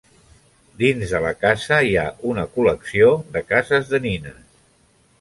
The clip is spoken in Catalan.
Dins de la casa hi ha una col·lecció de cases de nines.